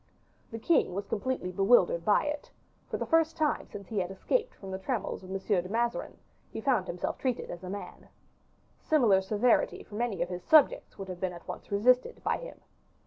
The king was completely bewildered by it; for the first time since he had escaped from the trammels of M. de Mazarin, he found himself treated as a man. Similar severity from any of his subjects would have been at once resisted by him.